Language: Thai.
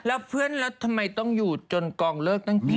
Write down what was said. แล้วเพื่อนแล้วทำไมต้องอยู่จนกองเลิกตั้งที